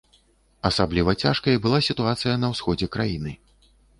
Асабліва цяжкай была сітуацыя на ўсходзе краіны.